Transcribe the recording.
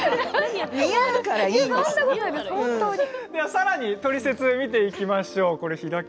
さらにトリセツ見てみましょう。